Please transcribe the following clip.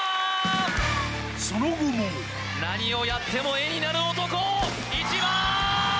その後も何をやっても絵になる男１番！